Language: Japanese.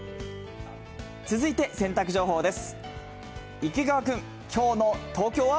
続いて洗濯情報です。